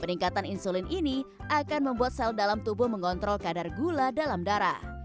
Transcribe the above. peningkatan insulin ini akan membuat sel dalam tubuh mengontrol kadar gula dalam darah